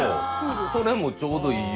そのへんもちょうどいい。